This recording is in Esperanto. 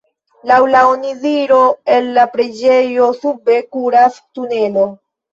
Laŭ la onidiro el la preĝejo sube kuras tunelo.